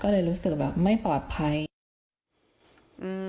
มีแต่เสียงตุ๊กแก่กลางคืนไม่กล้าเข้าห้องน้ำด้วยซ้ำ